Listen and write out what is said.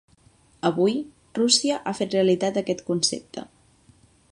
Avui, Rússia ha fet realitat aquest concepte.